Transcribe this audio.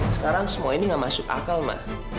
sekarang semua ini gak masuk akal mbak